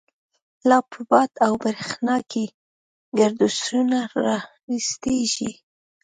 لا په باد او برَښنا کی، گردشونه را رستیږی